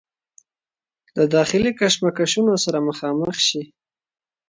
د داخلي کشمکشونو سره مخامخ شي